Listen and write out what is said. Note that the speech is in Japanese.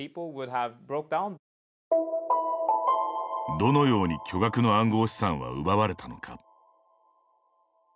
どのように巨額の暗号資産は奪われたのか。